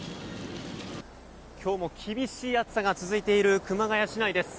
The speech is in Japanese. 今日も厳しい暑さが続いている熊谷市内です。